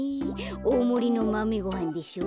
おおもりのマメごはんでしょ。